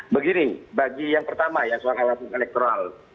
begini bagi yang pertama ya soal alasan elektoral